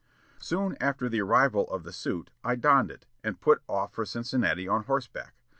Soon after the arrival of the suit I donned it, and put off for Cincinnati on horseback.